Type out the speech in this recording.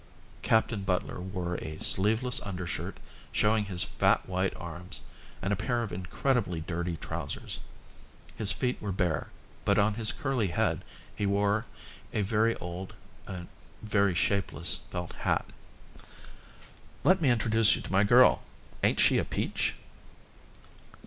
Captain Butler wore a sleeveless under shirt, showing his fat white arms, and a pair of incredibly dirty trousers. His feet were bare, but on his curly head he wore a very old, a very shapeless felt hat. "Let me introduce you to my girl. Ain't she a peach?"